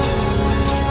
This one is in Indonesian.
aku mau ke rumah